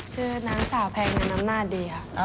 ชื่อนางสาวแพร่เงินน้ำหน้าดีค่ะ